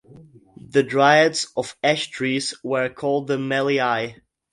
The dryads of ash trees were called the Meliai.